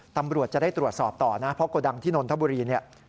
ตำรวจจะได้ตรวจสอบต่อนะเพราะโกดังที่นนทบุรีเนี่ย